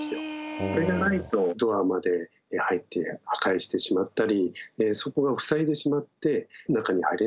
これがないとドアまで入って破壊してしまったりそこを塞いでしまって中に入れないということになりますので。